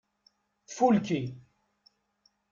Tfulki.